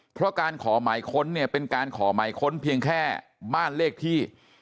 เพราะการขอหมายค้นเนี่ยเป็นการขอหมายค้นเพียงแค่บ้านเลขที่